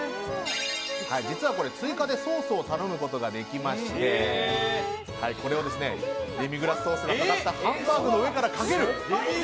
実は追加でソースを頼むことができましてこれをデミグラスソースがかかったハンバーグの上からかける。